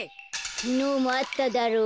きのうもあっただろ。